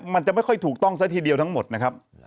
มันจะไม่ค่อยถูกต้องซะทีเดียวทั้งหมดนะครับ